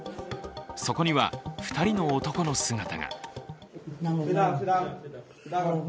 そこには２人の男の姿が。